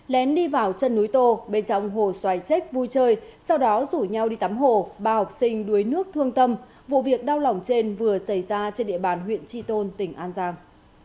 lén đi vào chân núi tô bên trong hồ xoài trách vui chơi sau đó rủ nhau đi tắm hồ ba học sinh đuối nước thương tâm vụ việc đau lòng trên vừa xảy ra trên địa bàn huyện tri tôn tỉnh an giang